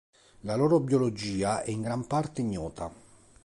La loro biologia è in gran parte ignota.